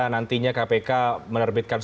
nantinya kpk menerbitkan